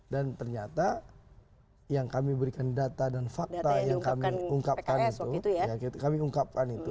dan ternyata yang kami berikan data dan fakta yang kami ungkapkan itu